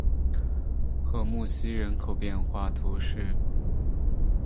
利穆西人口变化图示